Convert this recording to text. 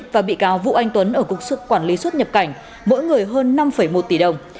và bị cáo vũ anh tuấn ở cục sức quản lý xuất nhập cảnh mỗi người hơn năm một tỷ đồng